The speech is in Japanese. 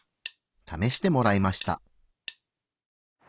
試してもらいました。